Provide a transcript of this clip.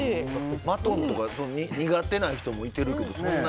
マトンとか苦手な人もいてるけど。